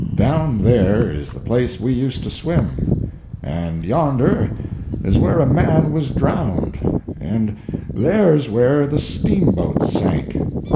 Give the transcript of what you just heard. Down there is the place we used to swim, and yonder is where a man was drowned, and there's where the steamboat sank.